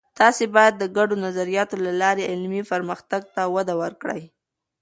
تاسې باید د ګډو نظریاتو له لارې علمي پرمختګ ته وده ورکړئ.